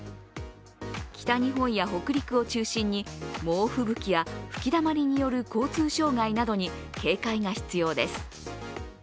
北日本や北陸を中心に猛吹雪や吹きだまりによる交通障害などに警戒が必要です。